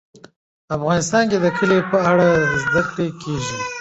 افغانستان کې د کلي په اړه زده کړه کېږي.